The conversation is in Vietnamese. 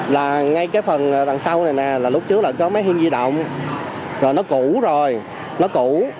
là ngay cái phần đằng sau này là lúc trước là có máy hương di động rồi nó cũ rồi nó cũ